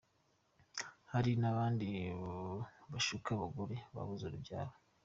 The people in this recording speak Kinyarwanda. Hari nabandi bashuka abagore babuze urubyaro